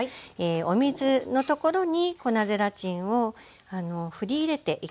お水のところに粉ゼラチンをふり入れていきます。